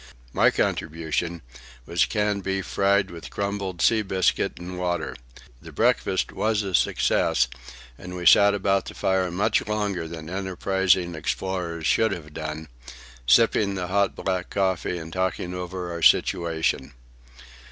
My contribution was canned beef fried with crumbled sea biscuit and water. The breakfast was a success, and we sat about the fire much longer than enterprising explorers should have done, sipping the hot black coffee and talking over our situation.